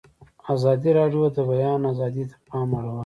ازادي راډیو د د بیان آزادي ته پام اړولی.